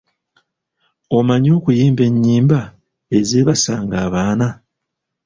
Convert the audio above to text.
Omanyi okuyimba ennyimba ezeebasanga abaana?